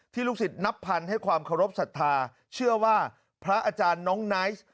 ลูกศิษย์นับพันให้ความเคารพสัทธาเชื่อว่าพระอาจารย์น้องไนท์